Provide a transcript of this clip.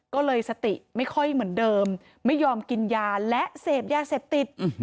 ก็เลยสติไม่ค่อยเหมือนเดิมไม่ยอมกินยาและเสพยาเสพติด